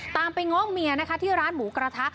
ตามไปง้อเมียนะคะที่ร้านหมูกระทะ